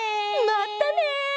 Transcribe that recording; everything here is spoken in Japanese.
まったね！